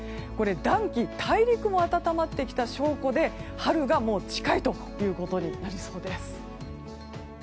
暖気、大陸も暖まってきた証拠で春がもう近いということになりそうです。